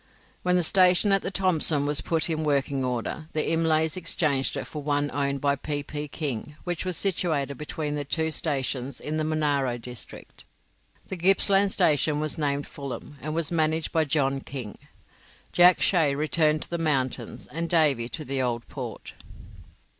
When the station on the Thomson was put in working order, the Imlays exchanged it for one owned by P. P. King, which was situated between their two stations in the Monaro district. The Gippsland station was named Fulham, and was managed by John King. Jack Shay returned to the mountains, and Davy to the Old Port.